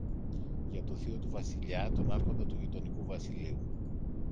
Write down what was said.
για το θείο του Βασιλιά, τον Άρχοντα του γειτονικού βασιλείου.